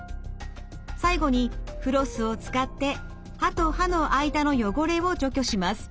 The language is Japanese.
最後にフロスを使って歯と歯の間の汚れを除去します。